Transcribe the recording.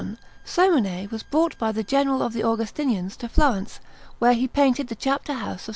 Fresco_)] This done, Simone was brought by the General of the Augustinians to Florence, where he painted the Chapter house of S.